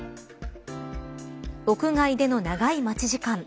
屋外での長い待ち時間。